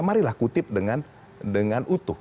marilah kutip dengan utuh